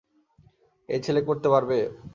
এই ছেলে করতে পারবে?